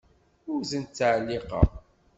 Ur tent-ttɛelliqeɣ.